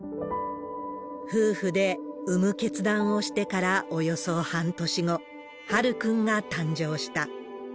夫婦で産む決断をしてから、およそ半年後、陽くんが誕生した。